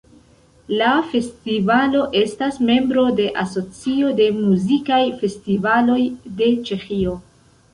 La festivalo estas membro de Asocio de muzikaj festivaloj de Ĉeĥio.